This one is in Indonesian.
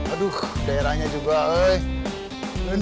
aduh daerahnya juga hei